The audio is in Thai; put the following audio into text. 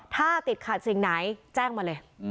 ถ้าติดขัดสิ่งไหนแจ้งมาเลย